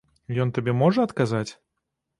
Ён табе можа адказаць?